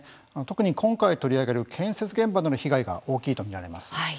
特に今回取り上げる建設現場での被害が大きいと見られます。